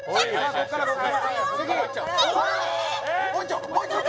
こっからこっから次あっ！